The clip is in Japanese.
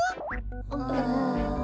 うん。